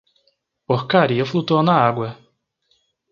Porcaria flutuou na água.